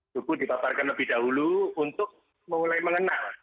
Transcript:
suku dipaparkan lebih dahulu untuk mulai mengenal